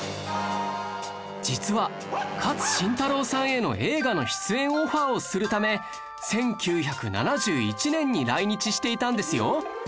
実は勝新太郎さんへの映画の出演オファーをするため１９７１年に来日していたんですよ